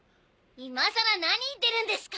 今更何言ってるんですか？